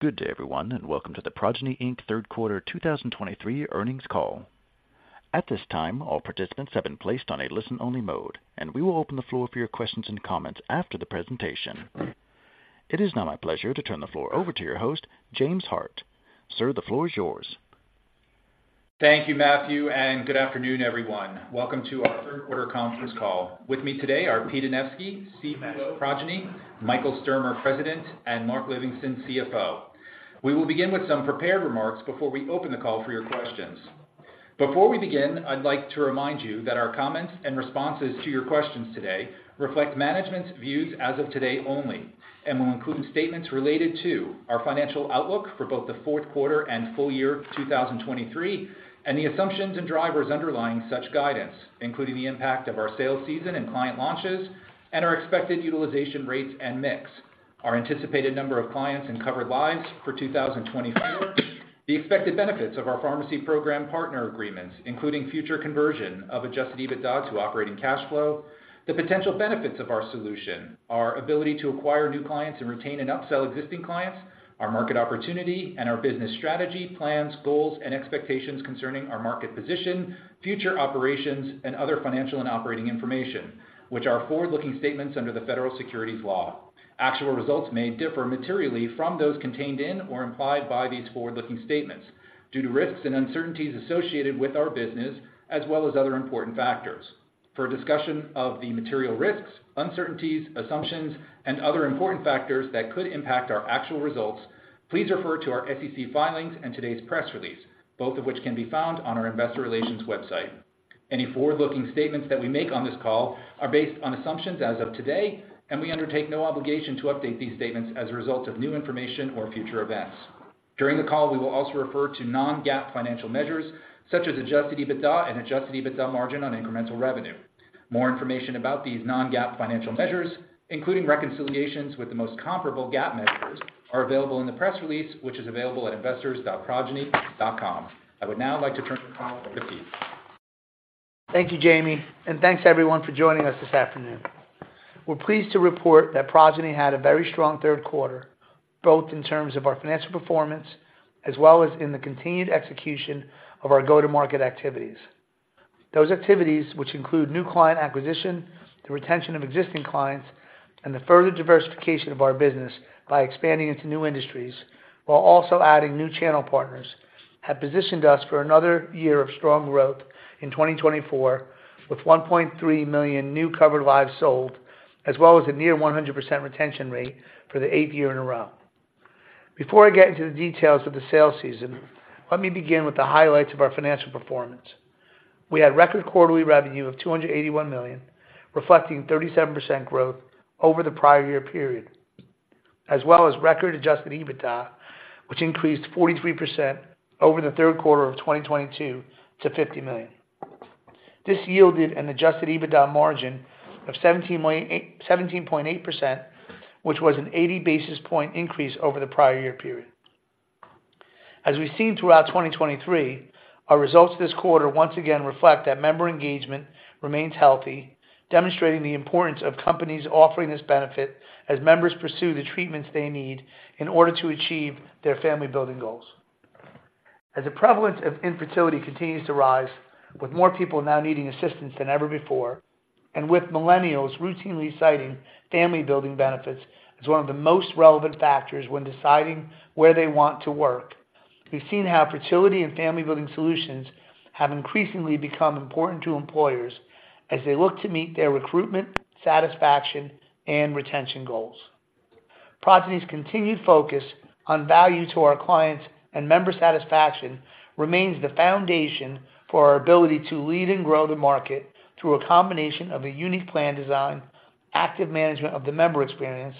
Good day, everyone, and welcome to the Progyny, Inc third quarter 2023 earnings call. At this time, all participants have been placed on a listen-only mode, and we will open the floor for your questions and comments after the presentation. It is now my pleasure to turn the floor over to your host, James Hart. Sir, the floor is yours. Thank you, Matthew, and good afternoon everyone. Welcome to our third quarter conference call. With me today are Pete Anevski, CEO of Progyny, Michael Sturmer, President, and Mark Livingston, CFO. We will begin with some prepared remarks before we open the call for your questions. Before we begin, I'd like to remind you that our comments and responses to your questions today reflect management's views as of today only, and will include statements related to our financial outlook for both the fourth quarter and full year 2023, and the assumptions and drivers underlying such guidance, including the impact of our sales season and client launches and our expected utilization rates and mix. Our anticipated number of clients and covered lives for 2024. The expected benefits of our pharmacy program partner agreements, including future conversion of adjusted EBITDA to operating cash flow; the potential benefits of our solution; our ability to acquire new clients and retain and upsell existing clients; our market opportunity; and our business strategy, plans, goals, and expectations concerning our market position, future operations, and other financial and operating information, which are forward-looking statements under the federal securities law. Actual results may differ materially from those contained in or implied by these forward-looking statements due to risks and uncertainties associated with our business, as well as other important factors. For a discussion of the material risks, uncertainties, assumptions, and other important factors that could impact our actual results, please refer to our SEC filings and today's press release, both of which can be found on our Investor Relations website. Any forward-looking statements that we make on this call are based on assumptions as of today, and we undertake no obligation to update these statements as a result of new information or future events. During the call, we will also refer to non-GAAP financial measures such as adjusted EBITDA and adjusted EBITDA margin on incremental revenue. More information about these non-GAAP financial measures, including reconciliations with the most comparable GAAP measures, are available in the press release, which is available at investors.progyny.com. I would now like to turn the call over to Pete. Thank you, Jamie, and thanks everyone for joining us this afternoon. We're pleased to report that Progyny had a very strong third quarter, both in terms of our financial performance as well as in the continued execution of our go-to-market activities. Those activities which include new client acquisition, the retention of existing clients, and the further diversification of our business by expanding into new industries while also adding new channel partners, have positioned us for another year of strong growth in 2024 with 1.3 million new covered lives sold, as well as a near 100% retention rate for the eighth year in a row. Before I get into the details of the sales season, let me begin with the highlights of our financial performance. We had record quarterly revenue of $281 million, reflecting 37% growth over the prior year period. As well as record adjusted EBITDA, which increased 43% over the third quarter of 2022 to $50 million. This yielded an adjusted EBITDA margin of 17.8%, which was an 80 basis point increase over the prior year period. As we've seen throughout 2023, our results this quarter once again reflect that member engagement remains healthy, demonstrating the importance of companies offering this benefit as members pursue the treatments they need in order to achieve their family-building goals. As the prevalence of infertility continues to rise, with more people now needing assistance than ever before, and with millennials routinely citing family-building benefits as one of the most relevant factors when deciding where they want to work. We've seen how fertility and family-building solutions have increasingly become important to employers as they look to meet their recruitment, satisfaction, and retention goals. Progyny's continued focus on value to our clients and member satisfaction remains the foundation for our ability to lead and grow the market through a combination of a unique plan design, active management of the member experience,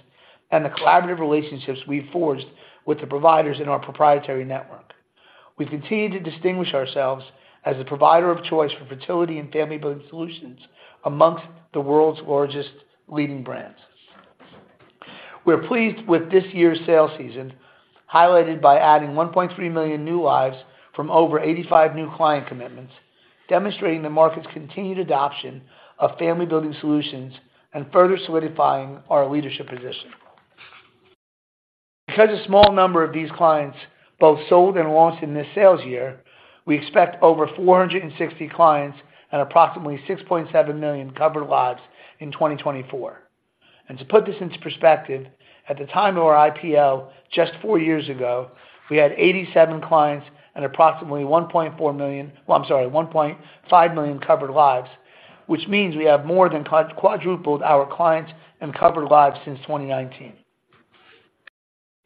and the collaborative relationships we've forged with the providers in our proprietary network. We continue to distinguish ourselves as a provider of choice for fertility and family-building solutions amongst the world's largest leading brands. We're pleased with this year's sales season, highlighted by adding 1.3 million new lives from over 85 new client commitments, demonstrating the market's continued adoption of family-building solutions and further solidifying our leadership position. Because a small number of these clients both sold and launched in this sales year, we expect over 460 clients and approximately 6.7 million covered lives in 2024. To put this into perspective, at the time of our IPO, just four years ago, we had 87 clients and approximately 1.4 million... Well, I'm sorry, 1.5 million covered lives, which means we have more than quadrupled our clients and covered lives since 2019.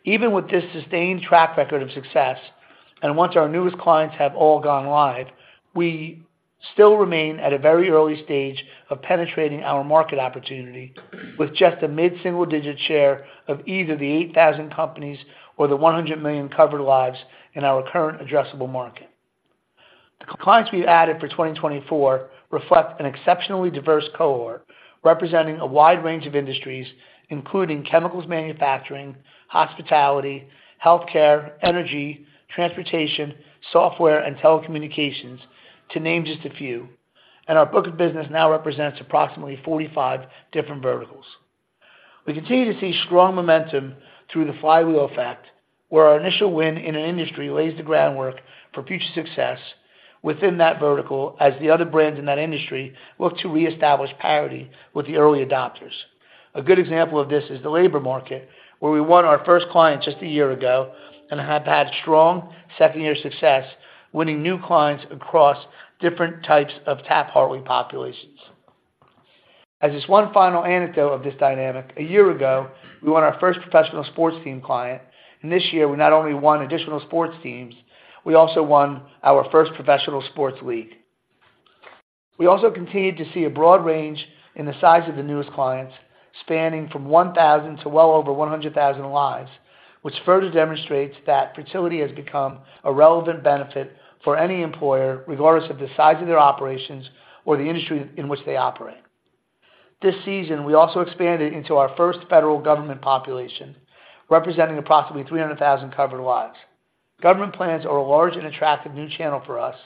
Even with this sustained track record of success, and once our newest clients have all gone live, we still remain at a very early stage of penetrating our market opportunity with just a mid-single digit share of either the 8,000 companies or the 100 million covered lives in our current addressable market. The clients we added for 2024 reflect an exceptionally diverse cohort, representing a wide range of industries, including chemicals manufacturing, hospitality, healthcare, energy, transportation, software, and telecommunications, to name just a few. And our book of business now represents approximately 45 different verticals. We continue to see strong momentum through the flywheel effect, where our initial win in an industry lays the groundwork for future success within that vertical, as the other brands in that industry look to reestablish parity with the early adopters. A good example of this is the labor market, where we won our first client just a year ago and have had strong second-year success, winning new clients across different types of hourly populations. As this one final anecdote of this dynamic, a year ago, we won our first professional sports team client. And this year we not only won additional sports teams, we also won our first professional sports league. We also continued to see a broad range in the size of the newest clients, spanning from 1,000 to well over 100,000 lives, which further demonstrates that fertility has become a relevant benefit for any employer, regardless of the size of their operations or the industry in which they operate. This season, we also expanded into our first federal government population, representing approximately 300,000 covered lives. Government plans are a large and attractive new channel for us,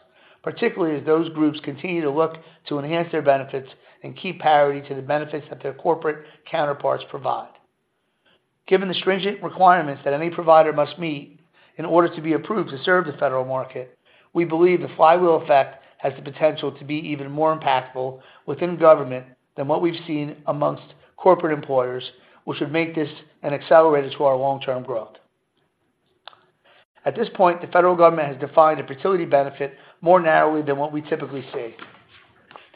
particularly as those groups continue to look to enhance their benefits and keep parity to the benefits that their corporate counterparts provide. Given the stringent requirements that any provider must meet in order to be approved to serve the federal market, we believe the flywheel effect has the potential to be even more impactful within government than what we've seen amongst corporate employers, which would make this an accelerator to our long-term growth. At this point, the federal government has defined a fertility benefit more narrowly than what we typically see.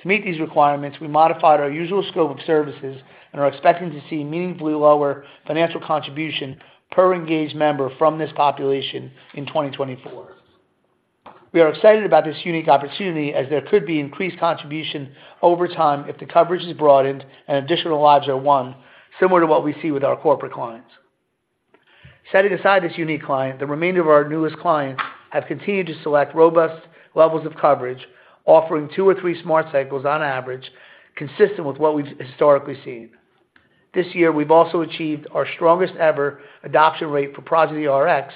To meet these requirements, we modified our usual scope of services and are expecting to see meaningfully lower financial contribution per engaged member from this population in 2024. We are excited about this unique opportunity as there could be increased contribution over time if the coverage is broadened and additional lives are won, similar to what we see with our corporate clients. Setting aside this unique client, the remainder of our newest clients have continued to select robust levels of coverage, offering two or three Smart Cycles on average, consistent with what we've historically seen. This year, we've also achieved our strongest ever adoption rate for Progyny Rx,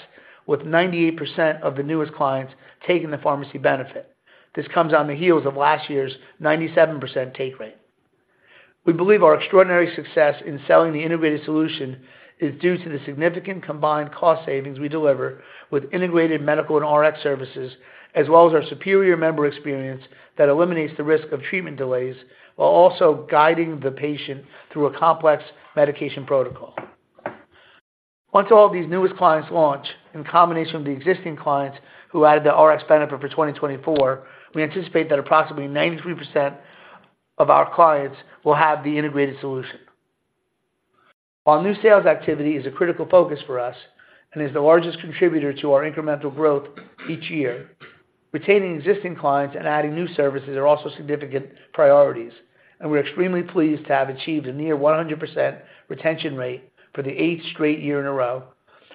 with 98% of the newest clients taking the pharmacy benefit. This comes on the heels of last year's 97% take rate. We believe our extraordinary success in selling the integrated solution is due to the significant combined cost savings we deliver with integrated medical and Rx services, as well as our superior member experience that eliminates the risk of treatment delays, while also guiding the patient through a complex medication protocol. Once all these newest clients launch, in combination with the existing clients who added the Rx benefit for 2024, we anticipate that approximately 93% of our clients will have the integrated solution. While new sales activity is a critical focus for us and is the largest contributor to our incremental growth each year, retaining existing clients and adding new services are also significant priorities. And we're extremely pleased to have achieved a near 100% retention rate for the eighth straight year in a row,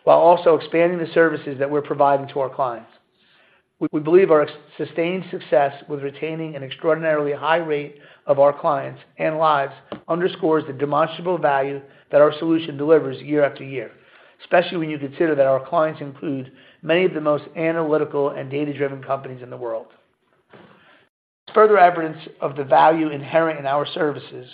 while also expanding the services that we're providing to our clients. We believe our sustained success with retaining an extraordinarily high rate of our clients and lives underscores the demonstrable value that our solution delivers year after year, especially when you consider that our clients include many of the most analytical and data-driven companies in the world. Further evidence of the value inherent in our services,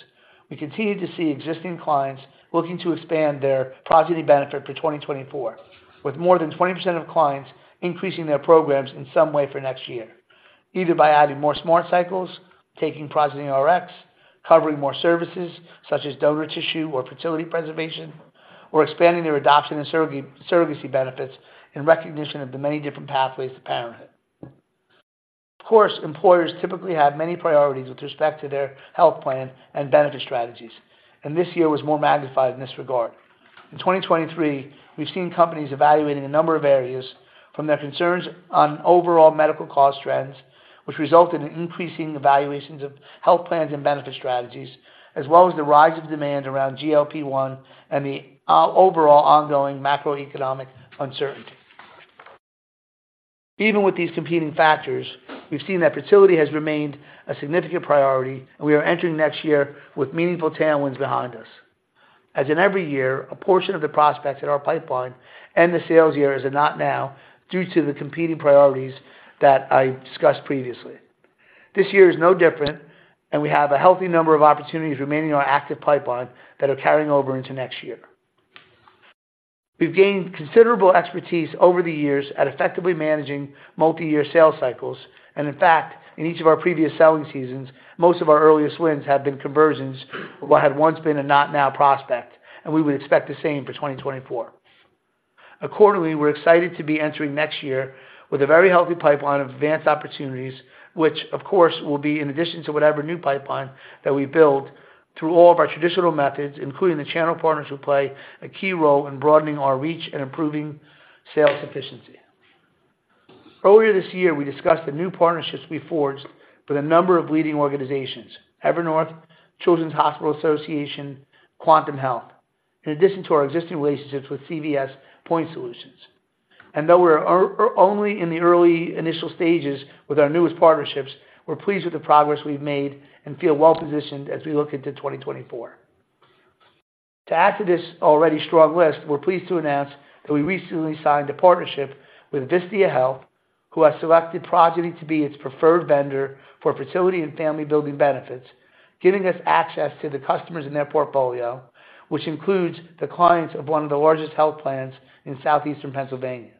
we continue to see existing clients looking to expand their Progyny benefit for 2024, with more than 20% of clients increasing their programs in some way for next year, either by adding more Smart Cycles; taking Progyny Rx; covering more services, such as donor tissue or fertility preservation; or expanding their adoption and surrogacy benefits in recognition of the many different pathways to parenthood. Of course, employers typically have many priorities with respect to their health plan and benefit strategies, and this year was more magnified in this regard. In 2023, we've seen companies evaluating a number of areas from their concerns on overall medical cost trends, which resulted in increasing evaluations of health plans and benefit strategies, as well as the rise of demand around GLP-1 and the, overall ongoing macroeconomic uncertainty. Even with these competing factors, we've seen that fertility has remained a significant priority, and we are entering next year with meaningful tailwinds behind us. As in every year, a portion of the prospects in our pipeline and the sales year is a not now, due to the competing priorities that I discussed previously. This year is no different, and we have a healthy number of opportunities remaining in our active pipeline that are carrying over into next year. We've gained considerable expertise over the years at effectively managing multi-year sales cycle. In fact, in each of our previous selling seasons, most of our earliest wins have been conversions of what had once been a not-now prospect, and we would expect the same for 2024. Accordingly, we're excited to be entering next year with a very healthy pipeline of advanced opportunities, which of course, will be in addition to whatever new pipeline that we build through all of our traditional methods, including the channel partners, who play a key role in broadening our reach and improving sales efficiency. Earlier this year, we discussed the new partnerships we forged with a number of leading organizations, Evernorth, Children's Hospital Association, Quantum Health, in addition to our existing relationships with CVS Point Solutions. Though we're only in the early initial stages with our newest partnerships, we're pleased with the progress we've made and feel well-positioned as we look into 2024. To add to this already strong list, we're pleased to announce that we recently signed a partnership with Vistia Health, who has selected Progyny to be its preferred vendor for fertility and family-building benefits, giving us access to the customers in their portfolio, which includes the clients of one of the largest health plans in southeastern Pennsylvania.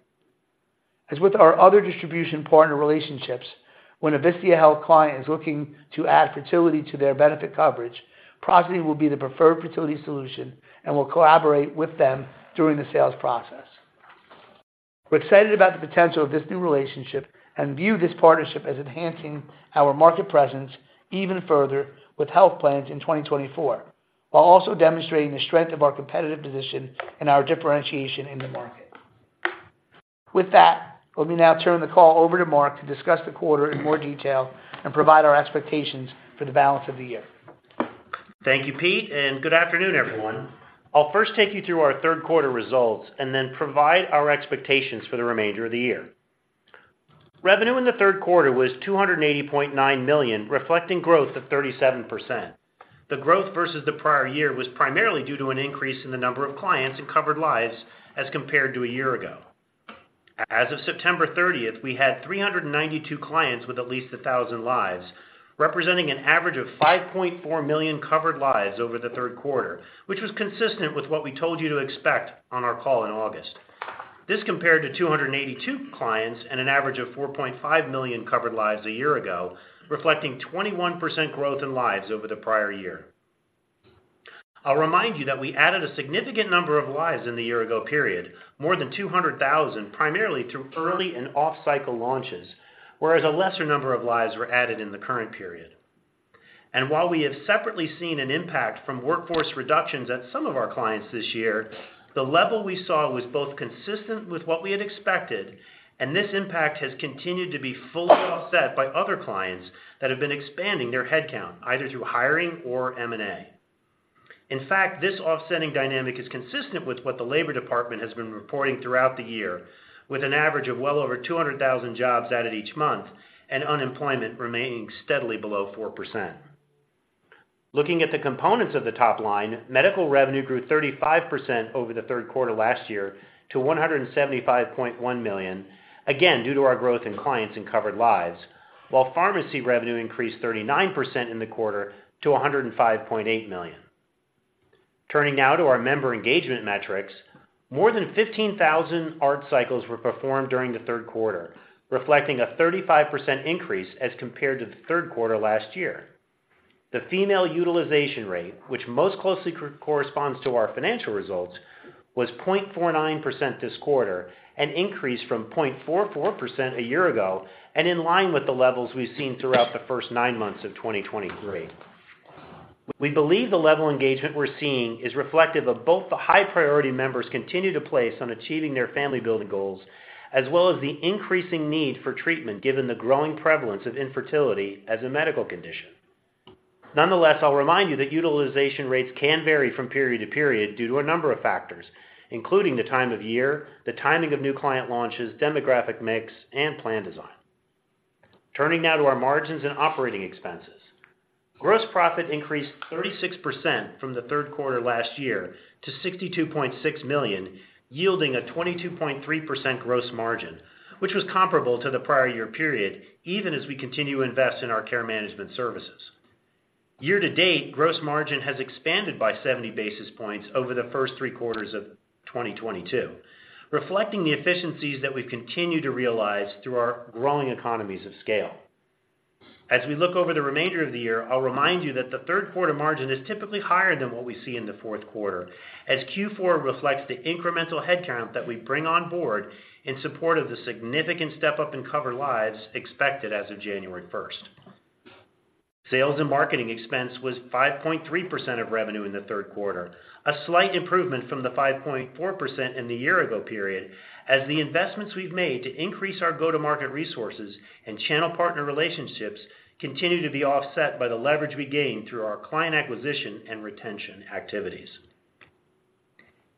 As with our other distribution partner relationships, when Vistia Health client is looking to add fertility to their benefit coverage, Progyny will be the preferred fertility solution and will collaborate with them during the sales process. We're excited about the potential of this new relationship and view this partnership as enhancing our market presence even further with health plans in 2024, while also demonstrating the strength of our competitive position and our differentiation in the market. With that, let me now turn the call over to Mark to discuss the quarter in more detail and provide our expectations for the balance of the year. Thank you, Pete, and good afternoon, everyone. I'll first take you through our third quarter results and then provide our expectations for the remainder of the year. Revenue in the third quarter was $280.9 million, reflecting growth of 37%. The growth versus the prior year was primarily due to an increase in the number of clients and covered lives as compared to a year ago. As of September 30th, we had 392 clients with at least 1,000 lives, representing an average of 5.4 million covered lives over the third quarter, which was consistent with what we told you to expect on our call in August. This compared to 282 clients and an average of 4.5 million covered lives a year ago, reflecting 21% growth in lives over the prior year. I'll remind you that we added a significant number of lives in the year ago period, more than 200,000 lives, primarily through early and off-cycle launches, whereas a lesser number of lives were added in the current period. While we have separately seen an impact from workforce reductions at some of our clients this year, the level we saw was both consistent with what we had expected. And this impact has continued to be fully offset by other clients that have been expanding their headcount, either through hiring or M&A. In fact, this offsetting dynamic is consistent with what the Labor Department has been reporting throughout the year, with an average of well over 200,000 jobs added each month and unemployment remaining steadily below 4%. Looking at the components of the top line, medical revenue grew 35% over the third quarter last year to $175.1 million, again, due to our growth in clients and covered lives, while pharmacy revenue increased 39% in the quarter to $105.8 million. Turning now to our member engagement metrics. More than 15,000 ART cycles were performed during the third quarter, reflecting a 35% increase as compared to the third quarter last year. The female utilization rate, which most closely corresponds to our financial results, was 0.49% this quarter, an increase from 0.44% a year ago, and in line with the levels we've seen throughout the first nine months of 2023. We believe the level of engagement we're seeing is reflective of both the high priority members continue to place on achieving their family building goals, as well as the increasing need for treatment, given the growing prevalence of infertility as a medical condition. Nonetheless, I'll remind you that utilization rates can vary from period to period due to a number of factors, including the time of year, the timing of new client launches, demographic mix, and plan design. Turning now to our margins and operating expenses. Gross profit increased 36% from the third quarter last year to $62.6 million, yielding a 22.3% gross margin, which was comparable to the prior year period, even as we continue to invest in our care management services. Year-to-date, gross margin has expanded by 70 basis points over the first three quarters of 2022, reflecting the efficiencies that we've continued to realize through our growing economies of scale. As we look over the remainder of the year, I'll remind you that the third quarter margin is typically higher than what we see in the fourth quarter, as Q4 reflects the incremental headcount that we bring on board in support of the significant step-up in covered lives expected as of January 1st. Sales and marketing expense was 5.3% of revenue in the third quarter, a slight improvement from the 5.4% in the year-ago period, as the investments we've made to increase our go-to-market resources and channel partner relationships continue to be offset by the leverage we gain through our client acquisition and retention activities.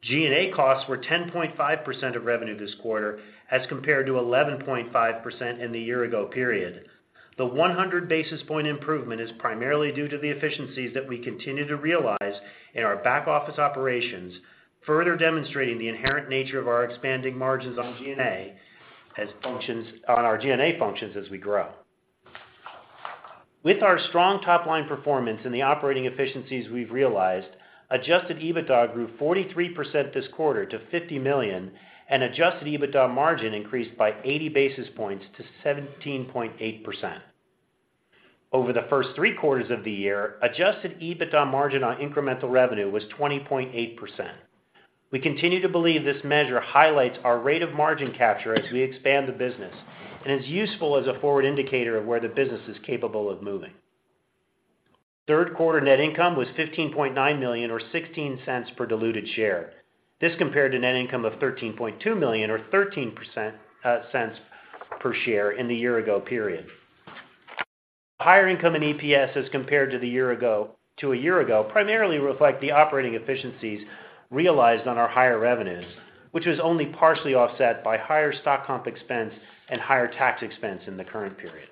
G&A costs were 10.5% of revenue this quarter, as compared to 11.5% in the year ago period. The 100 basis points improvement is primarily due to the efficiencies that we continue to realize in our back-office operations, further demonstrating the inherent nature of our expanding margins on our G&A functions as we grow. With our strong top-line performance and the operating efficiencies we've realized, adjusted EBITDA grew 43% this quarter to $50 million, and adjusted EBITDA margin increased by 80 basis points to 17.8%. Over the first three quarters of the year, adjusted EBITDA margin on incremental revenue was 20.8%. We continue to believe this measure highlights our rate of margin capture as we expand the business, and is useful as a forward indicator of where the business is capable of moving. Third quarter net income was $15.9 million or $0.16 per diluted share. This compared to net income of $13.2 million or $0.13 per share in the year ago period. Higher income in EPS as compared to a year ago primarily reflect the operating efficiencies realized on our higher revenues, which was only partially offset by higher stock comp expense and higher tax expense in the current period.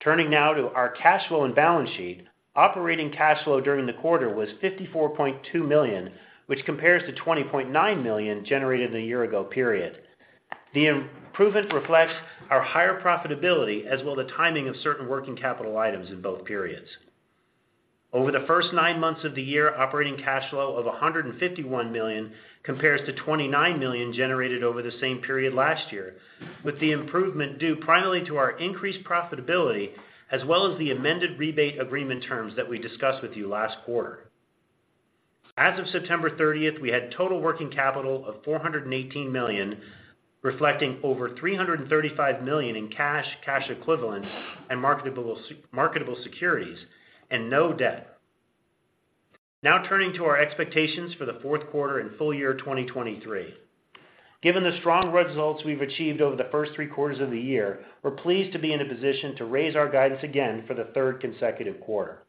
Turning now to our cash flow and balance sheet. Operating cash flow during the quarter was $54.2 million, which compares to $20.9 million generated in a year ago period. The improvement reflects our higher profitability, as well the timing of certain working capital items in both periods. Over the first nine months of the year, operating cash flow of $151 million compares to $29 million generated over the same period last year, with the improvement due primarily to our increased profitability, as well as the amended rebate agreement terms that we discussed with you last quarter. As of September 30th, we had total working capital of $418 million, reflecting over $335 million in cash, cash equivalents, and marketable securities, and no debt. Now, turning to our expectations for the fourth quarter and full year 2023. Given the strong results we've achieved over the first three quarters of the year, we're pleased to be in a position to raise our guidance again for the third consecutive quarter.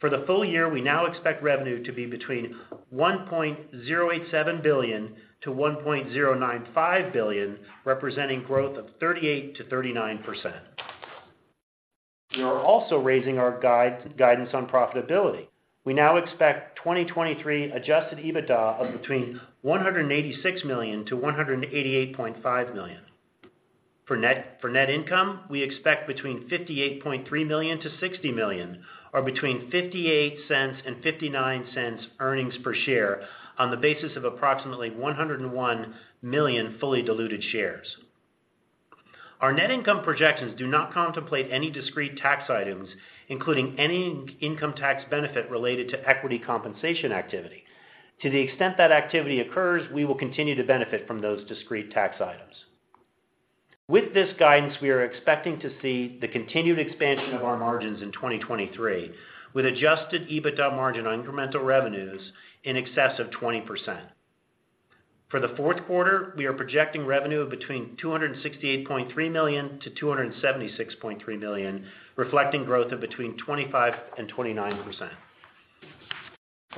For the full year, we now expect revenue to be between $1.087 billion-$1.095 billion, representing growth of 38%-39%. We are also raising our guidance on profitability. We now expect 2023 adjusted EBITDA of between $186 million-$188.5 million. For net income, we expect between $58.3 million-$60 million, or between $0.58 and $0.59 earnings per share on the basis of approximately 101 million fully diluted shares. Our net income projections do not contemplate any discrete tax items, including any income tax benefit related to equity compensation activity. To the extent that activity occurs, we will continue to benefit from those discrete tax items. With this guidance, we are expecting to see the continued expansion of our margins in 2023, with adjusted EBITDA margin on incremental revenues in excess of 20%. For the fourth quarter, we are projecting revenue of between $268.3 million-$276.3 million, reflecting growth of between 25% and 29%.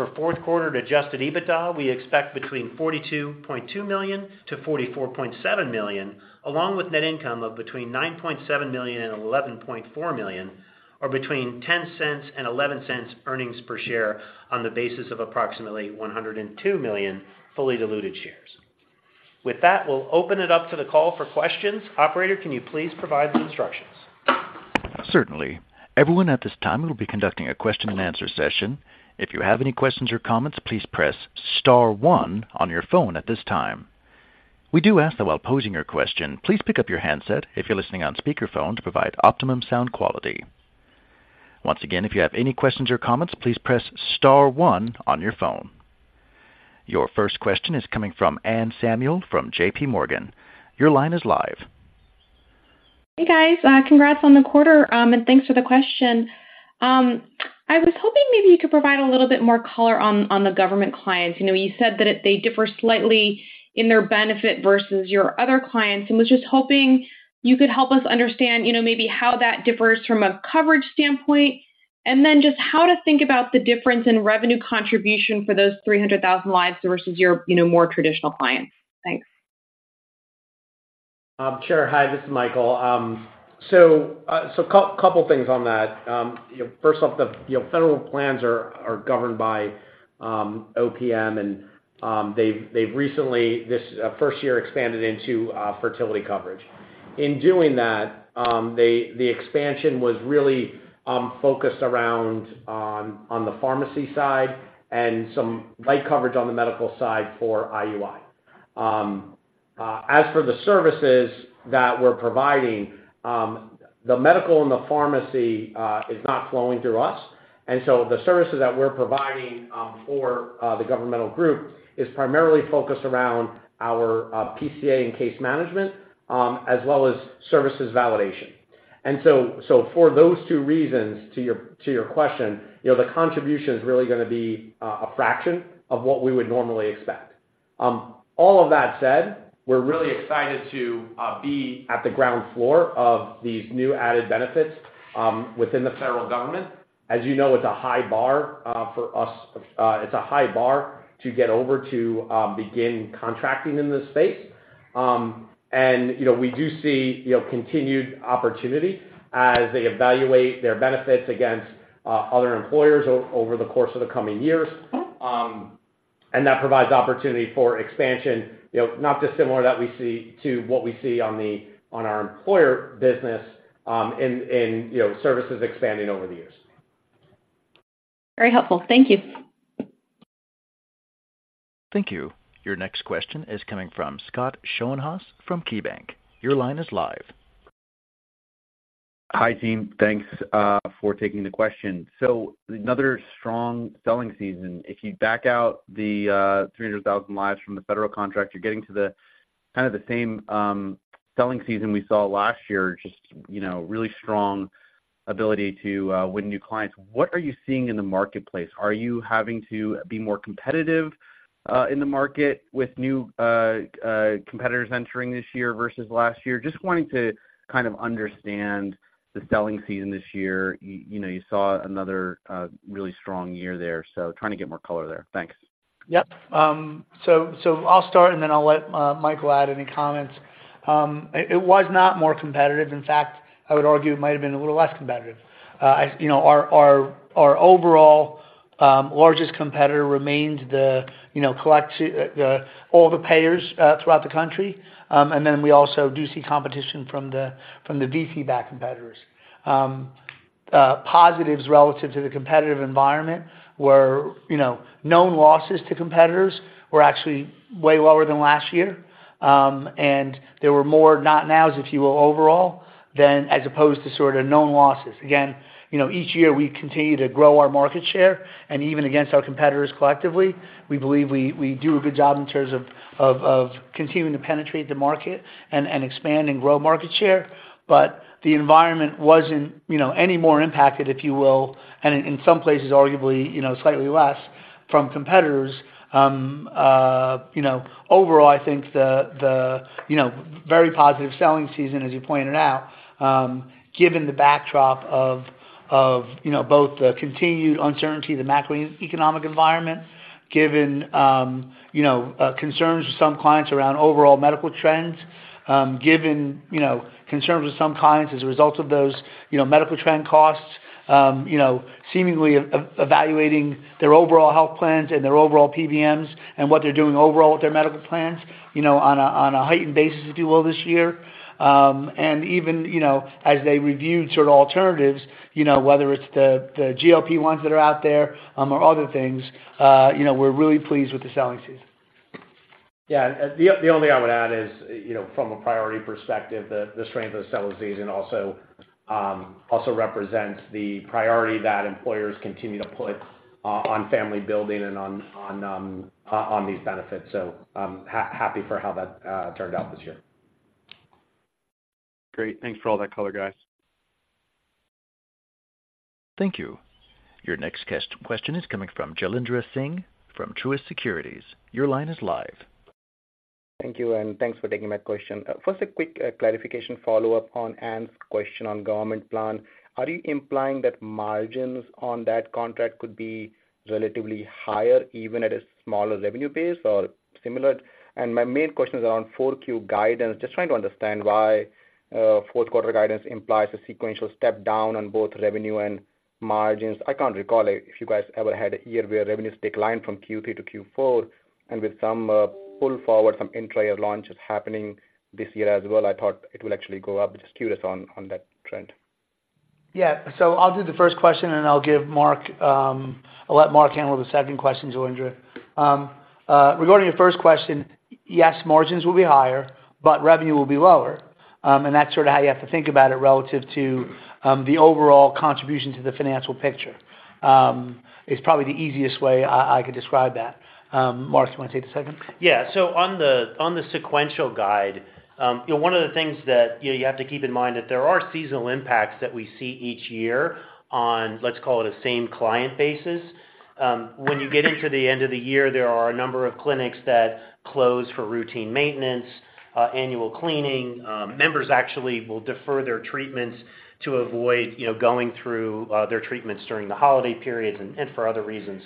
For fourth quarter adjusted EBITDA, we expect between $42.2 million-$44.7 million, along with net income of between $9.7 million-$11.4 million, or between $0.10 and $0.11 earnings per share on the basis of approximately 102 million fully diluted shares. With that, we'll open it up to the call for questions. Operator, can you please provide the instructions? Certainly. Everyone, at this time, we will be conducting a question and answer session. If you have any questions or comments, please press star one on your phone at this time. We do ask that while posing your question, please pick up your handset if you're listening on speakerphone to provide optimum sound quality. Once again, if you have any questions or comments, please press star one on your phone. Your first question is coming from Anne Samuel from JPMorgan. Your line is live. Hey, guys. Congrats on the quarter, and thanks for the question. I was hoping maybe you could provide a little bit more color on, on the government clients. You know, you said that they differ slightly in their benefit versus your other clients, and was just hoping you could help us understand, you know, maybe how that differs from a coverage standpoint. And then just how to think about the difference in revenue contribution for those 300,000 lives versus your, you know, more traditional clients. Thanks. Sure. Hi, this is Michael. So, couple things on that. You know, first off, the, you know, federal plans are governed by OPM, and they've recently, this first year, expanded into fertility coverage. In doing that, they, the expansion was really focused around on the pharmacy side and some light coverage on the medical side for IUI. As for the services that we're providing, the medical and the pharmacy is not flowing through us. And so the services that we're providing for the governmental group is primarily focused around our PCA and case management as well as services validation. And so for those two reasons to your question, you know, the contribution is really gonna be a fraction of what we would normally expect. All of that said, we're really excited to be at the ground floor of these new added benefits within the federal government. As you know, it's a high bar for us, it's a high bar to get over to begin contracting in this space. And, you know, we do see, you know, continued opportunity as they evaluate their benefits against other employers over the course of the coming years. And that provides opportunity for expansion, you know, not dissimilar to what we see on our employer business, in services expanding over the years. Very helpful. Thank you. Thank you. Your next question is coming from Scott Schoenhaus from KeyBanc. Your line is live. Hi, team. Thanks for taking the question. So another strong selling season. If you back out the 300,000 lives from the federal contract, you're getting to the kind of the same selling season we saw last year, just you know really strong ability to win new clients. What are you seeing in the marketplace? Are you having to be more competitive in the market with new competitors entering this year versus last year? Just wanting to kind of understand the selling season this year. You know, you saw another really strong year there, so trying to get more color there. Thanks. Yep. So I'll start, and then I'll let Michael add any comments. It was not more competitive. In fact, I would argue it might have been a little less competitive. You know, our overall largest competitor remains the, you know, all the payers throughout the country. And then we also do see competition from the VC-backed competitors. Positives relative to the competitive environment were, you know, known losses to competitors were actually way lower than last year. And there were more not nows if you will, overall, than as opposed to sort of known losses. Again, you know, each year, we continue to grow our market share. And even against our competitors collectively, we believe we do a good job in terms of continuing to penetrate the market and expand and grow market share. But the environment wasn't, you know, any more impacted, if you will, and in some places, arguably, you know, slightly less from competitors. You know, overall, I think the very positive selling season as you pointed out, given the backdrop of you know, both the continued uncertainty of the macroeconomic environment. Given, you know, concerns with some clients around overall medical trends, given you know, concerns with some clients as a result of those you know, medical trend costs, you know, seemingly evaluating their overall health plans and their overall PBMs and what they're doing overall with their medical plans, you know, on a heightened basis, if you will, this year. And even, you know, as they review sort of alternatives, you know, whether it's the GLP-1s that are out there, or other things, you know, we're really pleased with the selling season. Yeah, the only thing I would add is, you know, from a priority perspective, the strength of the selling season also represents the priority that employers continue to put on family building and on these benefits. So I'm happy for how that turned out this year. Great. Thanks for all that color, guys. Thank you. Your next question is coming from Jailendra Singh from Truist Securities. Your line is live. Thank you, and thanks for taking my question. First, a quick clarification follow-up on Anne's question on government plan. Are you implying that margins on that contract could be relatively higher, even at a smaller revenue base or similar? And my main question is around 4Q guidance. Just trying to understand why fourth quarter guidance implies a sequential step down on both revenue and margins. I can't recall if you guys ever had a year where revenues declined from Q3 to Q4, and with some pull forward, some intra-year launches happening this year as well, I thought it will actually go up. Just curious on that trend. Yeah. So, I'll do the first question, and then I'll give Mark... I'll let Mark handle the second question, Jailendra. Regarding your first question, yes, margins will be higher, but revenue will be lower. And that's sort of how you have to think about it relative to the overall contribution to the financial picture. It's probably the easiest way I could describe that. Mark, do you want to take the second? Yeah. So on the sequential guide, you know, one of the things that, you know, you have to keep in mind, that there are seasonal impacts that we see each year on, let's call it, a same client basis. When you get into the end of the year, there are a number of clinics that close for routine maintenance, annual cleaning. Members actually will defer their treatments to avoid, you know, going through their treatments during the holiday periods and for other reasons.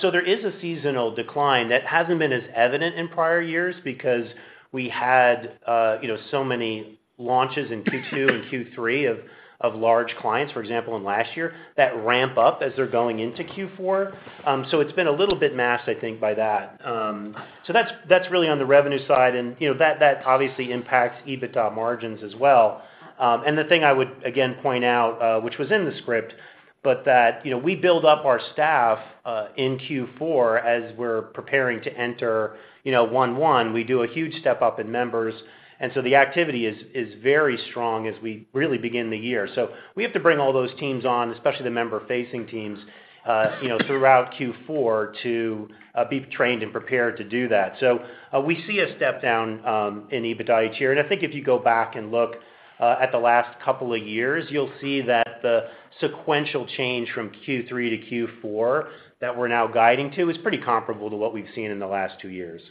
So there is a seasonal decline that hasn't been as evident in prior years because we had, you know, so many launches in Q2 and Q3 of large clients, for example, in last year, that ramp up as they're going into Q4. So it's been a little bit masked, I think, by that. So that's, that's really on the revenue side, and, you know, that, that obviously impacts EBITDA margins as well. And the thing I would, again, point out, which was in the script, but that, you know, we build up our staff, in Q4 as we're preparing to enter, you know, 1/1. We do a huge step up in members, and so the activity is, is very strong as we really begin the year. So we have to bring all those teams on, especially the member-facing teams, you know, throughout Q4 to be trained and prepared to do that. So, we see a step down in EBITDA each year. I think if you go back and look at the last couple of years, you'll see that the sequential change from Q3 to Q4 that we're now guiding to is pretty comparable to what we've seen in the last two years.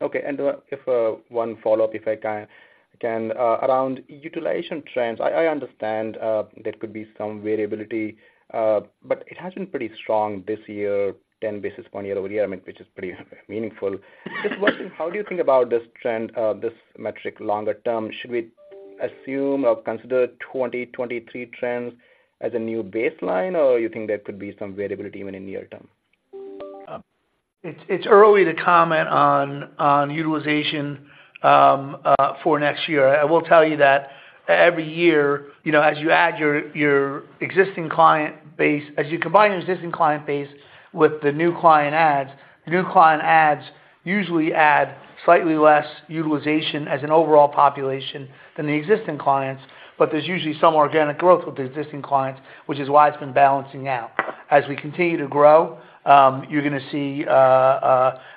Okay, and one follow-up, if I can. Around utilization trends, I understand there could be some variability. But it has been pretty strong this year, 10 basis point year-over-year, I mean, which is pretty meaningful. Just wondering, how do you think about this trend, this metric longer term? Should we assume or consider 2023 trends as a new baseline, or you think there could be some variability even in near term? It's early to comment on utilization for next year. I will tell you that every year, you know, as you combine your existing client base with the new client adds, new client adds usually add slightly less utilization as an overall population than the existing clients. But there's usually some organic growth with the existing clients, which is why it's been balancing out. As we continue to grow, you're gonna see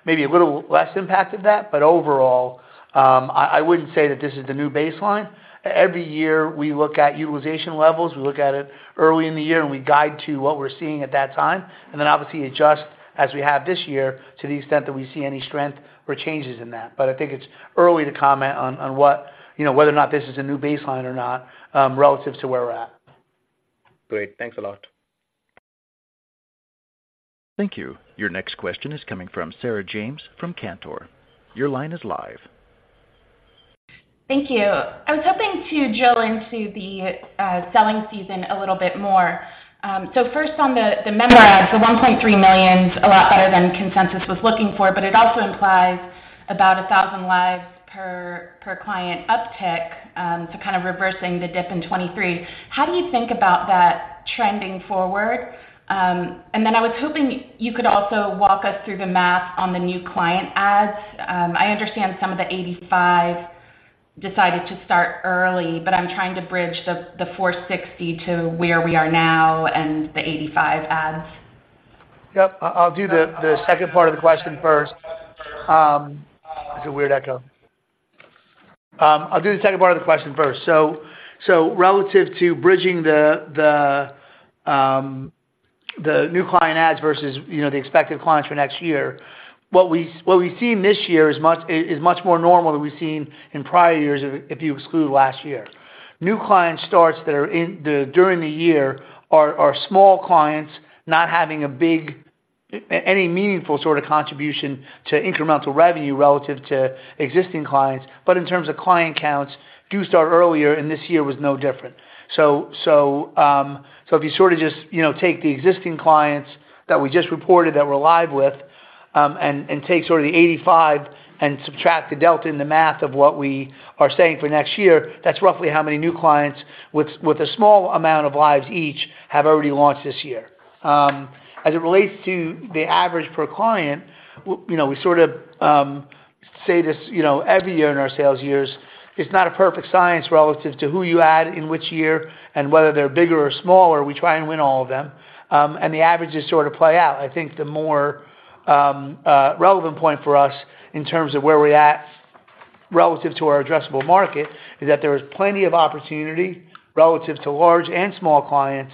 maybe a little less impact of that, but overall, I wouldn't say that this is the new baseline. Every year, we look at utilization levels. We look at it early in the year. And we guide to what we're seeing at that time. Then obviously adjust, as we have this year, to the extent that we see any strength or changes in that. But I think it's early to comment on what, you know, whether or not this is a new baseline or not, relative to where we're at. Great. Thanks a lot. Thank you. Your next question is coming from Sarah James from Cantor. Your line is live. Thank you. I was hoping to drill into the selling season a little bit more. So first on the member add. So, 1.3 million's a lot better than consensus was looking for, but it also implies about 1,000 lives per client uptick to kind of reversing the dip in 2023. How do you think about that trending forward? And then I was hoping you could also walk us through the math on the new client adds. I understand some of the 85 clients decided to start early, but I'm trying to bridge the 460 clients to where we are now and the 85 adds. Yep, I'll do the second part of the question first. It's a weird echo. I'll do the second part of the question first. So, relative to bridging the new client adds versus, you know, the expected clients for next year, what we've seen this year is much more normal than we've seen in prior years if you exclude last year. New client starts that are during the year are small clients, not having a big any meaningful sort of contribution to incremental revenue relative to existing clients. But in terms of client counts do start earlier, and this year was no different. So if you sort of just, you know, take the existing clients that we just reported that we're live with, and take sort of the 85 clients and subtract the delta in the math of what we are saying for next year, that's roughly how many new clients with a small amount of lives each have already launched this year. As it relates to the average per client, you know, we sort of say this, you know, every year in our sales years, it's not a perfect science relative to who you add in which year and whether they're bigger or smaller. We try and win all of them, and the averages sort of play out. I think the more relevant point for us in terms of where we're at, relative to our addressable market, is that there is plenty of opportunity relative to large and small clients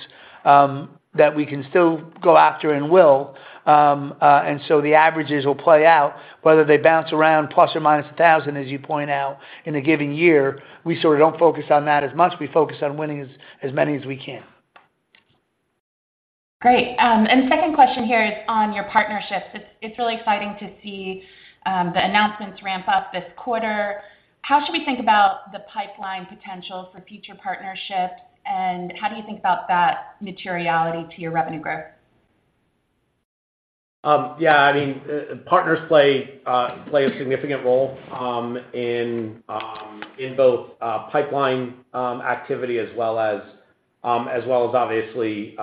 that we can still go after and will. So the averages will play out, whether they bounce around ±1,000, as you point out in a given year. We sort of don't focus on that as much. We focus on winning as many as we can. Great. And second question here is on your partnerships. It's really exciting to see the announcements ramp up this quarter. How should we think about the pipeline potential for future partnerships, and how do you think about that materiality to your revenue growth? Yeah, I mean, partners play a significant role in both pipeline activity as well as obviously,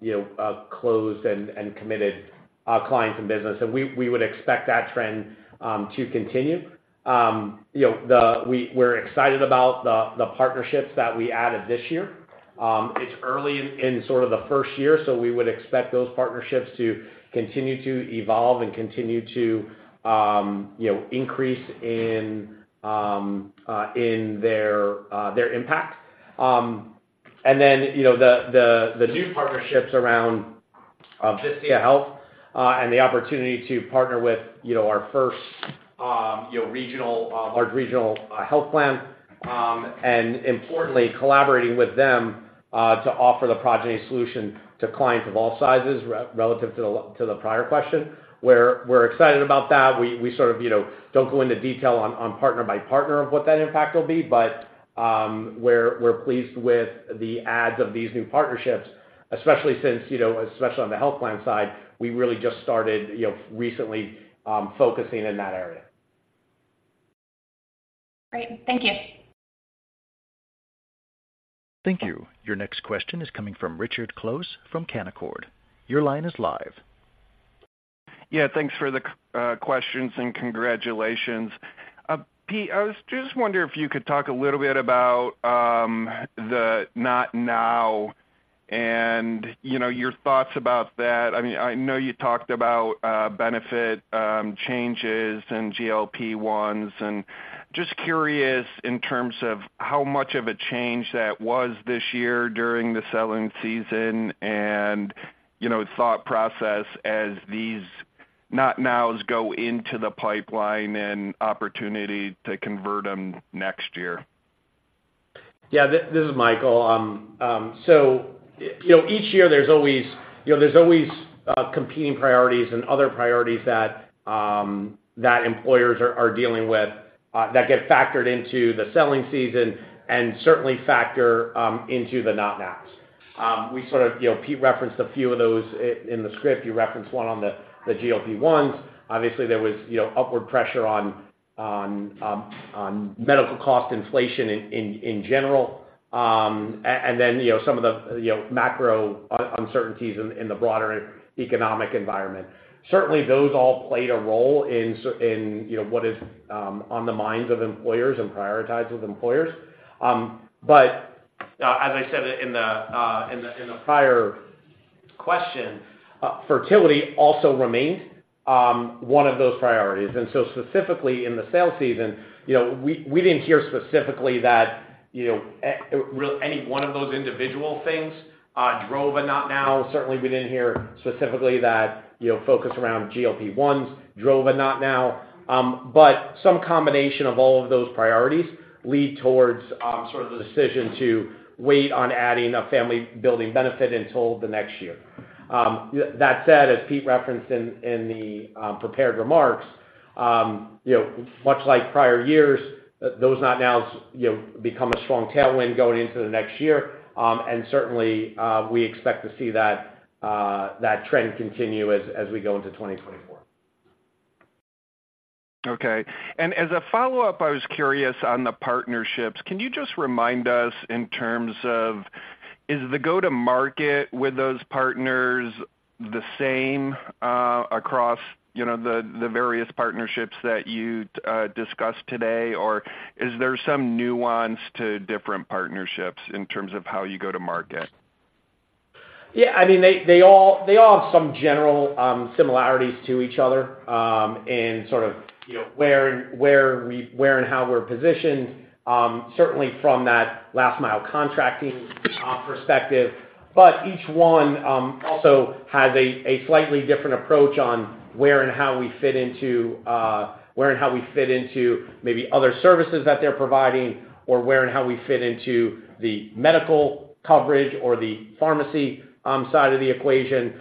you know, closed and committed clients and business. We would expect that trend to continue. You know, we're excited about the partnerships that we added this year. It's early in sort of the first year, so we would expect those partnerships to continue to evolve and continue to, you know, increase in their impact. And then, you know, the new partnerships around Vistia Health and the opportunity to partner with, you know, our first, you know, regional large regional health plan and importantly collaborating with them to offer the Progyny solution to clients of all sizes, relative to the prior question. We're excited about that. We sort of, you know, don't go into detail on partner by partner of what that impact will be, but we're pleased with the adds of these new partnerships, especially since, you know, especially on the health plan side, we really just started, you know, recently focusing in that area. Great. Thank you. Thank you. Your next question is coming from Richard Close, from Canaccord. Your line is live. Yeah, thanks for the questions, and congratulations. Pete, I was just wondering if you could talk a little bit about the not now and, you know, your thoughts about that. I mean, I know you talked about benefit changes and GLP-1s. Just curious in terms of how much of a change that was this year during the selling season and, you know, thought process as these not nows go into the pipeline and opportunity to convert them next year. Yeah, this is Michael. So, you know, each year there's always, you know, there's always competing priorities and other priorities that employers are dealing with that get factored into the selling season and certainly factor into the not nows. We sort of... You know, Pete referenced a few of those in the script. You referenced one on the GLP-1s. Obviously, there was, you know, upward pressure on medical cost inflation in general. And then, you know, some of the macro uncertainties in the broader economic environment. Certainly, those all played a role in what is on the minds of employers and priorities of employers. But as I said in the prior question, fertility also remained one of those priorities. And so specifically in the sales season, you know, we didn't hear specifically that, you know, any one of those individual things drove a not now. Certainly, we didn't hear specifically that, you know, focus around GLP-1s drove a not now. But some combination of all of those priorities lead towards sort of the decision to wait on adding a family-building benefit until the next year. That said, as Pete referenced in the prepared remarks, you know, much like prior years, those not nows, you know, become a strong tailwind going into the next year. And certainly, we expect to see that that trend continue as we go into 2024. Okay. And as a follow-up, I was curious on the partnerships. Can you just remind us in terms of, is the go-to-market with those partners the same across, you know, the various partnerships that you discussed today? Or is there some nuance to different partnerships in terms of how you go to market? Yeah, I mean, they all have some general similarities to each other, in sort of, you know, where and how we're positioned, certainly from that last mile contracting perspective. But each one also has a slightly different approach on where and how we fit into maybe other services that they're providing, or where and how we fit into the medical coverage or the pharmacy side of the equation,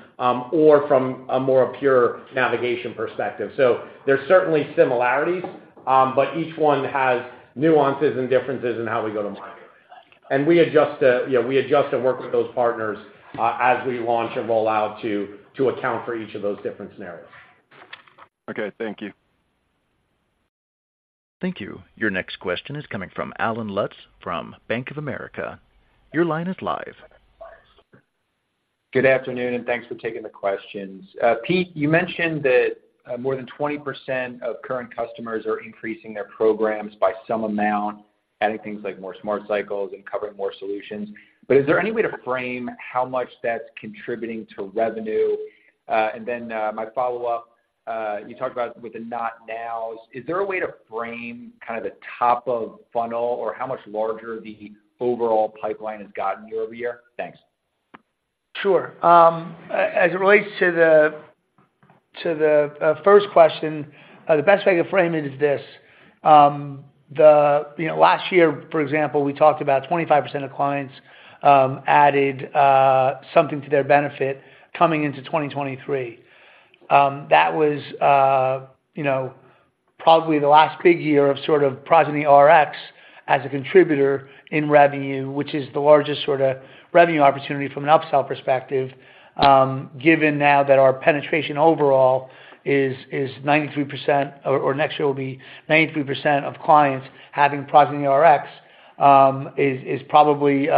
or from a more pure navigation perspective. So there's certainly similarities, but each one has nuances and differences in how we go to market. And we adjust, yeah, we adjust and work with those partners, as we launch and roll out to account for each of those different scenarios. Okay, thank you. Thank you. Your next question is coming from Allen Lutz from Bank of America. Your line is live. Good afternoon, and thanks for taking the questions. Pete, you mentioned that more than 20% of current customers are increasing their programs by some amount, adding things like more Smart Cycles and covering more solutions. But is there any way to frame how much that's contributing to revenue? And then, my follow-up, you talked about with the not nows, is there a way to frame kind of the top of funnel or how much larger the overall pipeline has gotten year-over-year? Thanks. Sure. As it relates to the first question, the best way to frame it is this: you know, last year, for example, we talked about 25% of clients added something to their benefit coming into 2023. That was, you know, probably the last big year of sort of Progyny Rx as a contributor in revenue, which is the largest sort of revenue opportunity from an upsell perspective, given now that our penetration overall is 93%. Or, next year will be 93% of clients having Progyny Rx, is probably, you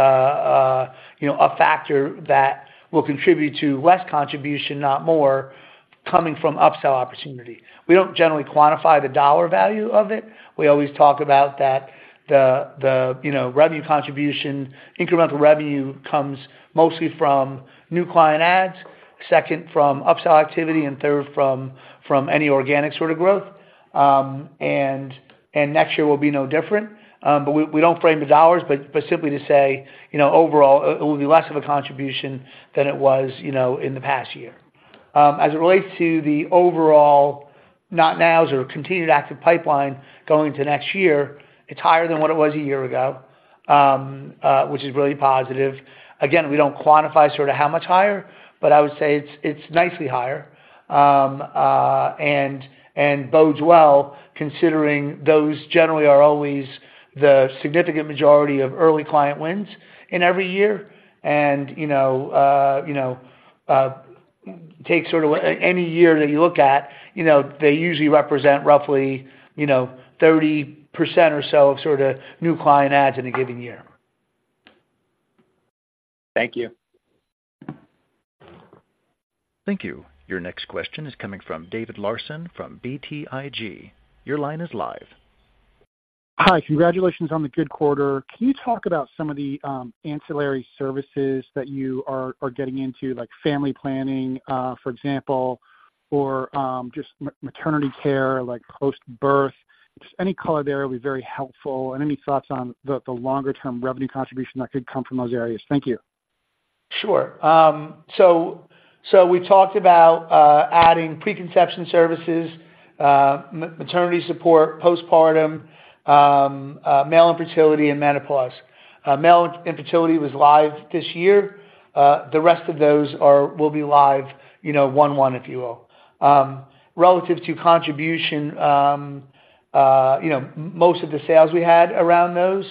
know, a factor that will contribute to less contribution, not more, coming from upsell opportunity. We don't generally quantify the dollar value of it. We always talk about that the you know revenue contribution. Incremental revenue comes mostly from new client adds, second from upsell activity, and third from any organic sort of growth. And next year will be no different. But we don't frame the dollars, but simply to say, you know, overall, it will be less of a contribution than it was, you know, in the past year. As it relates to the overall net new or continued active pipeline going to next year, it's higher than what it was a year ago, which is really positive. Again, we don't quantify sort of how much higher. But I would say it's nicely higher and bodes well considering those generally are always the significant majority of early client wins in every year. You know, take sort of any year that you look at, you know, they usually represent roughly, you know, 30% or so of sort of new client adds in a given year. Thank you. Thank you. Your next question is coming from David Larsen from BTIG. Your line is live. Hi, congratulations on the good quarter. Can you talk about some of the ancillary services that you are getting into, like family planning, for example, or just maternity care, like postbirth? Just any color there will be very helpful and any thoughts on the longer-term revenue contribution that could come from those areas. Thank you. Sure. So we talked about adding preconception services, maternity support, postpartum, male infertility, and menopause. Male infertility was live this year. The rest of those will be live, you know, 1/1, if you will. Relative to contribution, you know, most of the sales we had around those,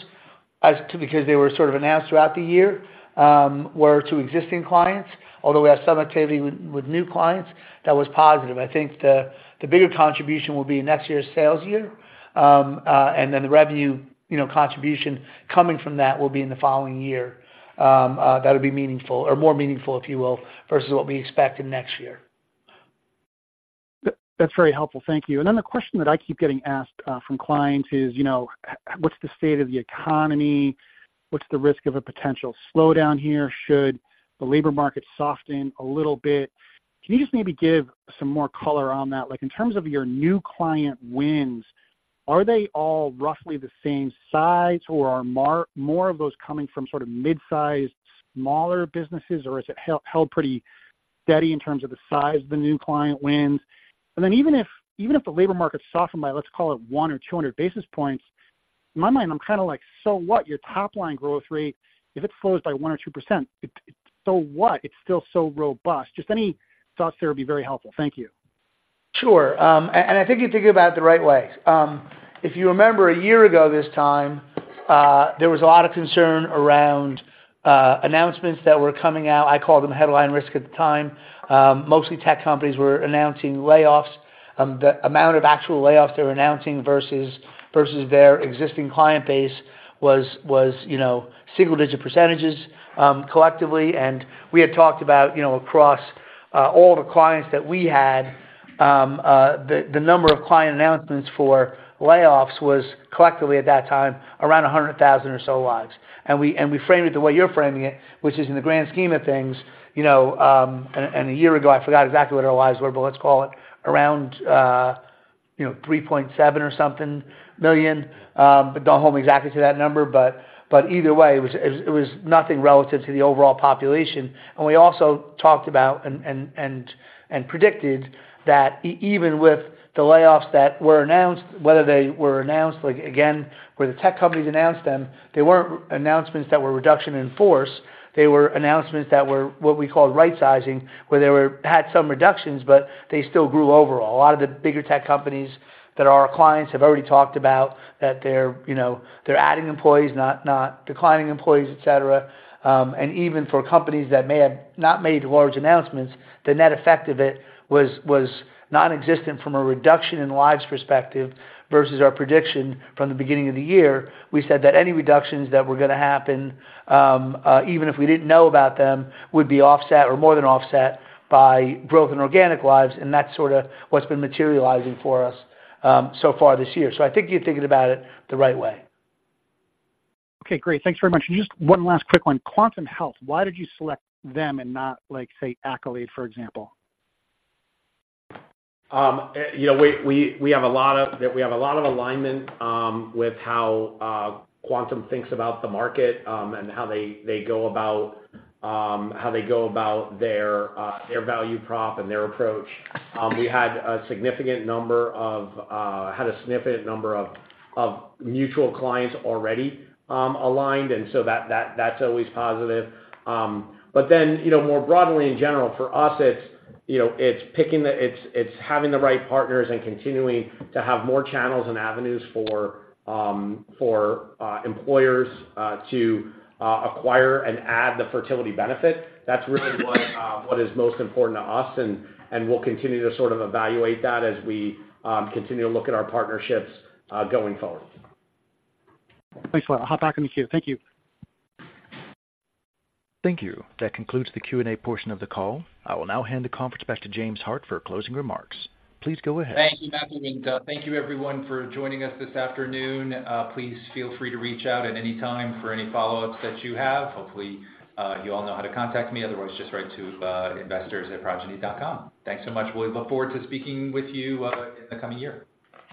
because they were sort of announced throughout the year, were to existing clients. Although we had some activity with new clients that was positive. I think the bigger contribution will be next year's sales year. And then the revenue, you know, contribution coming from that will be in the following year. That'll be meaningful or more meaningful, if you will, versus what we expect in next year. That's very helpful. Thank you. And then the question that I keep getting asked from clients is, you know, what's the state of the economy? What's the risk of a potential slowdown here should the labor market soften a little bit? Can you just maybe give some more color on that? Like, in terms of your new client wins, are they all roughly the same size, or are more of those coming from sort of mid-sized smaller businesses? Or, is it held pretty steady in terms of the size of the new client wins? And then even if, even if the labor market softened by, let's call it 100 basis points or 200 basis points... In my mind, I'm kind of like, so what? Your top line growth rate, if it flows by 1% or 2%, so what? It's still so robust. Just any thoughts there would be very helpful. Thank you. Sure. And I think you're thinking about it the right way. If you remember, a year ago this time, there was a lot of concern around announcements that were coming out. I called them headline risk at the time. Mostly tech companies were announcing layoffs. The amount of actual layoffs they were announcing versus their existing client base was, you know, single-digit percentages, collectively. And we had talked about, you know, across all the clients that we had, the number of client announcements for layoffs was collectively, at that time, around 100,000 lives or so lives. And we framed it the way you're framing it, which is, in the grand scheme of things, you know, and a year ago, I forgot exactly what our lives were but let's call it around, you know, 3.7 million or something million. But don't hold me exactly to that number. But either way, it was nothing relative to the overall population. And we also talked about and predicted that even with the layoffs that were announced, whether they were announced, like, again, where the tech companies announced them. They weren't announcements that were reduction in force. They were announcements that were, what we call, rightsizing, where they had some reductions but they still grew overall. A lot of the bigger tech companies that are our clients have already talked about that they're, you know, they're adding employees, not, not declining employees, et cetera. And even for companies that may have not made large announcements, the net effect of it was, was nonexistent from a reduction in lives perspective versus our prediction from the beginning of the year. We said that any reductions that were gonna happen, even if we didn't know about them, would be offset or more than offset by growth in organic lives. And that's sort of what's been materializing for us, so far this year. So I think you're thinking about it the right way. Okay, great. Thanks very much. And just one last quick one. Quantum Health, why did you select them and not like, say, Accolade, for example? You know, we have a lot of alignment with how Quantum thinks about the market, and how they go about how they go about their value prop and their approach. We had a significant number of mutual clients already aligned, and so that's always positive. But then, you know, more broadly, in general, for us, it's having the right partners and continuing to have more channels and avenues for employers to acquire and add the fertility benefit. That's really what is most important to us, and we'll continue to sort of evaluate that as we continue to look at our partnerships going forward. Thanks a lot. I'll hop back in the queue. Thank you. Thank you. That concludes the Q&A portion of the call. I will now hand the conference back to James Hart for closing remarks. Please go ahead. Thank you, Matthew, and thank you everyone for joining us this afternoon. Please feel free to reach out at any time for any follow-ups that you have. Hopefully, you all know how to contact me. Otherwise, just write to investors@progyny.com. Thanks so much. We look forward to speaking with you in the coming year.